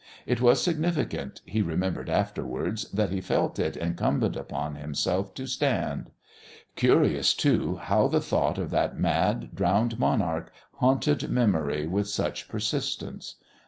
It was significant, he remembered afterwards, that he felt it incumbent upon himself to stand. Curious, too, how the thought of that mad, drowned monarch haunted memory with such persistence.